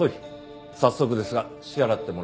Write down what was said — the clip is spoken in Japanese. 早速ですが支払ってもらえますか？